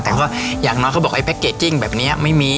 แต่ว่าอย่างน้อยเขาบอกไอ้แพ็กเกจจิ้งแบบนี้ไม่มี